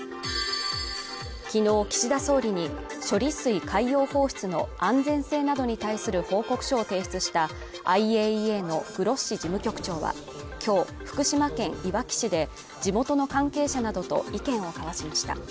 昨日岸田総理に処理水海洋放出の安全性などに対する報告書を提出したＩＡＥＡのグロッシ事務局長は、今日福島県いわき市で地元の関係者などと意見を交わしました。